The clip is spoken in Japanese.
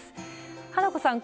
花子さん